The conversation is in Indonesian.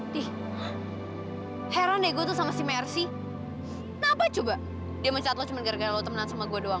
dih heran ya gue tuh sama si mercy kenapa coba dia men chatloa cuma gara gara lo temenan sama gue doang